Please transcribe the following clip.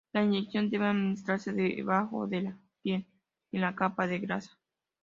La inyección debe administrarse debajo de la piel, en la capa de grasa.